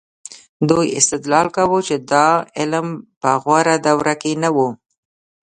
دوی استدلال کاوه چې دا علم په غوره دوره کې نه و.